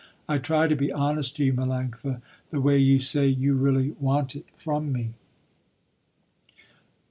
I try to be honest to you, Melanctha, the way you say you really want it from me."